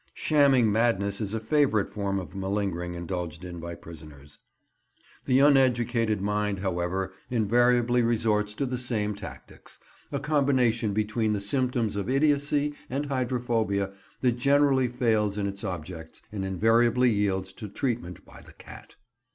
Shamming madness is a favourite form of malingering indulged in by prisoners. The uneducated mind, however, invariably resorts to the same tactics—a combination between the symptoms of idiocy and hydrophobia that generally fails in its objects, and invariably yields to treatment by the cat.